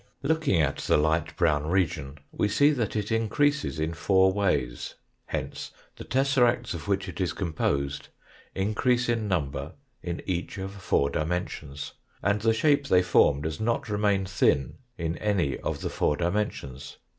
Looking at the light brown region we see that it increases in four ways. Hence, the tesseracts of which it is composed increase in number in each of four dimen sions, and the shape they form does not remain thin in any of the four dimensions.